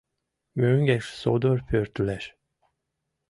Мӧҥгеш содор пӧртылеш.